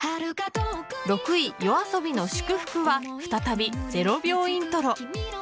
６位、ＹＯＡＳＯＢＩの「祝福」は再び０秒イントロ。